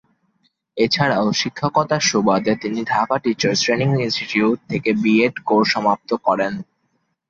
এছাড়াও শিক্ষকতার সুবাদে তিনি ঢাকা টিচার্স ট্রেনিং ইনস্টিটিউট থেকে বিএড কোর্স সমাপ্ত করেন।